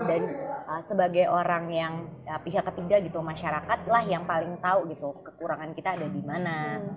dan sebagai orang yang pihak ketiga gitu masyarakat lah yang paling tau gitu kekurangan kita ada di mana